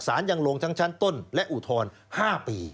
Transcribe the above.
ยังลงทั้งชั้นต้นและอุทธรณ์๕ปี